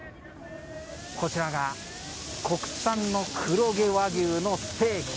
こちらが国産の黒毛和牛のステーキ。